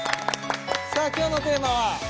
さあ今日のテーマは？